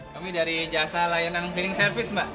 kami dari jasa layanan cleaning service mbak